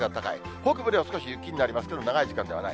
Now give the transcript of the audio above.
北部では少し雪になりますけど、長い時間ではない。